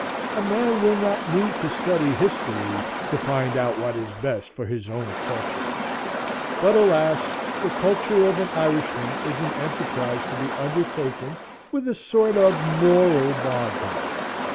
A man will not need to study history to find out what is best for his own culture. But alas! the culture of an Irishman is an enterprise to be undertaken with a sort of moral bog hoe.